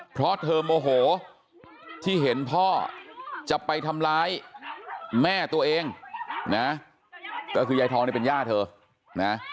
เพราะเธอโมโหที่เห็นพ่อจะไปทำร้ายแม่ตัวเองนะก็คือยายทองเนี่ยเป็นย่าเธอนะ